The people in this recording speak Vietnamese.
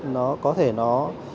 nó có thể nó